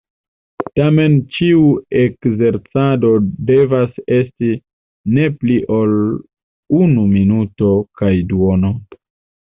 Tamen ĉiu ekzercado devas esti ne pli ol unu minuto kaj duono.